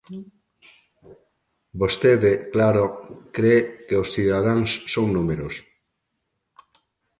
Vostede, claro, cre que os cidadáns son números.